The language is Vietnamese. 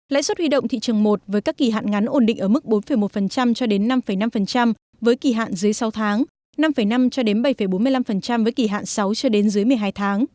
lãi suất huy động thị trường một với các kỳ hạn ngắn ổn định ở mức bốn một cho đến năm năm với kỳ hạn dưới sáu tháng năm năm cho đến bảy bốn mươi năm với kỳ hạn sáu cho đến dưới một mươi hai tháng